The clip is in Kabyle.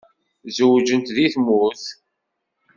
Zewǧent deg tmurt?